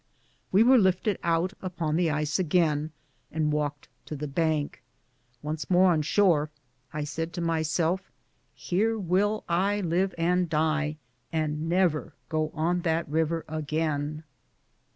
We were lifted out upon the ice again, and walked to the bank. Once more on shore, I said to myself, here will I live and die, and never go on that river again.